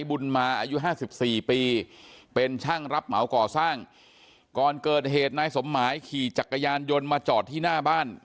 บุญมาอายุห้าสิบสี่ปีเป็นช่างรับเหมาก่อสร้างก่อนเกิดเหตุนายสมหมายขี่จักรยานยนต์มาจอดที่หน้าบ้าน